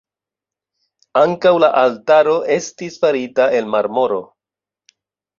Ankaŭ la altaro estis farita el marmoro.